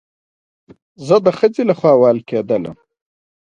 زه د خځې له خوا وهل کېدلم